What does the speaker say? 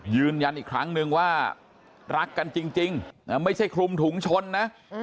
ยืนยันอีกครั้งนึงว่ารักกันจริงไม่ใช่คลุมถุงชนนะ